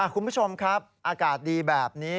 คุณผู้ชมครับอากาศดีแบบนี้